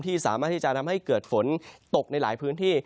สามารถที่จะทำให้เกิดฝนตกในหลายพื้นที่